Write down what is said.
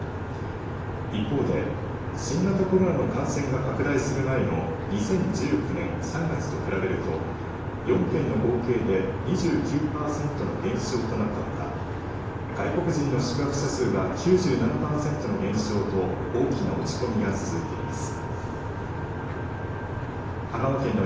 一方で新型コロナの感染が拡大する前の２０１９年３月と比べると４県の合計で２９パーセントの減少となったほか外国人の宿泊者数は９７パーセントの減少と大きな落ち込みが続いています。